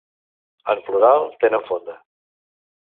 En plural, tenen fonda.